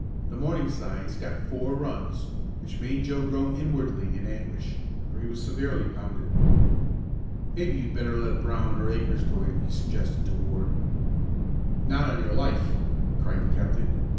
The Morningsides got four runs, which made Joe groan inwardly in anguish, for he was severely pounded. "Maybe you'd better let Brown or Akers go in," he suggested to Ward. "Not on your life!" cried the captain.